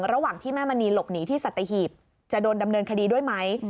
ระหว่างที่แม่มณีหลบหนีที่สัตหีบจะโดนดำเนินคดีด้วยไหม